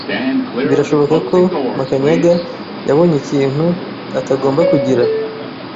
Birashoboka ko Makanyaga yabonye ikintu atagomba kugira.